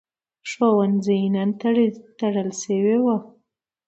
ښوونځی نن تړل شوی و.